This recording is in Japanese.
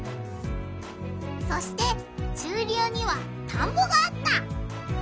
そして中流にはたんぼがあった。